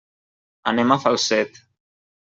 Anem a Falset.